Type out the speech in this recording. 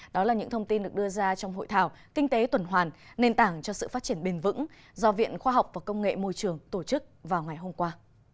đó là những thông tin được đưa ra trong hội thảo kinh tế tuần hoàn nền tảng cho sự phát triển bền vững do viện khoa học và công nghệ môi trường tổ chức vào ngày hôm qua